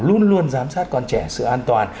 luôn luôn giám sát con trẻ sự an toàn